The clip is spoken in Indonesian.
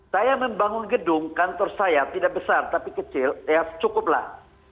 saya membangun gedung kantor saya tidak besar tapi kecil ya cukuplah